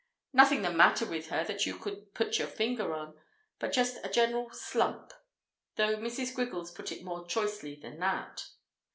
Nothing the matter with her that you could put your finger on, but just a general slump—though Mrs. Griggles put it more choicely than that.